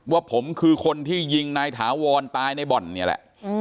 ว่าผมคือคนที่ยิงนายถาวรตายในบ่อนนี่แหละ